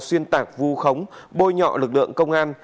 xuyên tạc vu khống bôi nhọ lực lượng công an